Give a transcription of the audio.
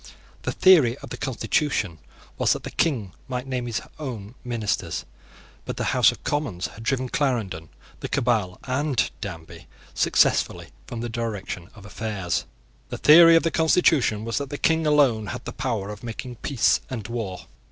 The theory of the constitution was that the King might name his own ministers. But the House of Commons had driven Clarendon, the Cabal, and Danby successively from the direction of affairs. The theory of the constitution was that the King alone had the power of making peace and war.